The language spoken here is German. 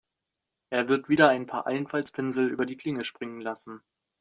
Er wird wieder ein paar Einfaltspinsel über die Klinge springen lassen.